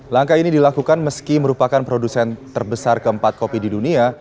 langkah ini dilakukan meski merupakan produsen terbesar keempat kopi di dunia